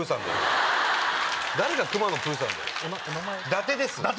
伊達です！